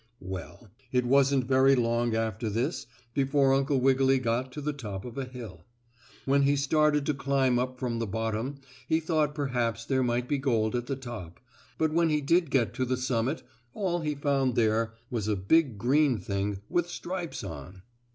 Well, it wasn't very long after this before Uncle Wiggily got to the top of a hill. When he started to climb up from the bottom he thought perhaps there might be gold at the top, but when he did get to the summit all he found there was a big green thing, with stripes on.